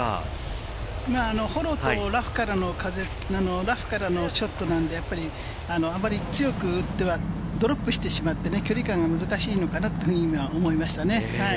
フォローとラフからの風、ラフからのショットなので、やっぱりあまり強く打っては、ドロップしてしまってね、距離感が難しいのかなというふうに思いましたね。